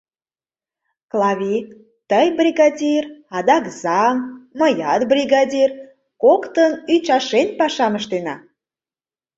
Клави, тый бригадир, адак зам, мыят бригадир, коктын ӱчашен пашам ыштена.